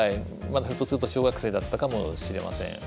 まだひょっとすると小学生だったかもしれません。